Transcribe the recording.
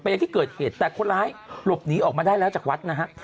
ยังที่เกิดเหตุแต่คนร้ายหลบหนีออกมาได้แล้วจากวัดนะฮะ